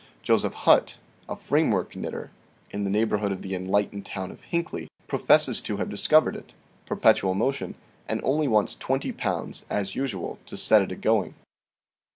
Joseph Hutt, a frame work knitter, in the neighborhood of the enlightened town of Hinckley, professes to have discovered it [perpetual motion] and only wants twenty pounds, as usual, to set it agoing."